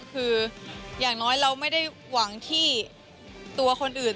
คืออย่างน้อยเราไม่ได้หวังที่ตัวคนอื่น